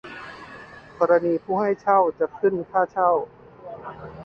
กรณีผู้ให้เช่าจะขึ้นค่าเช่า